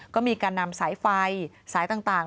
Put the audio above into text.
ก็มีการนำสายไฟสายต่าง